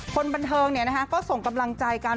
คนบันเทิงก็ส่งกำลังใจกัน